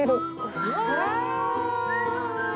うわ！